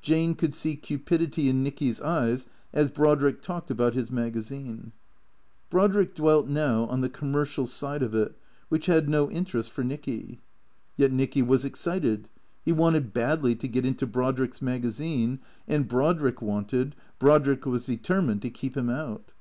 Jane could see cupidity in Nicky's eyes as Brodrick talked about his magazine. Brodrick dwelt now on the commercial side of it which had no interest for Nicky. Yet Nicky was excited. He wanted badly to get into Brodrick's magazine, and Brodrick wanted, Brodrick was determined to keep him out.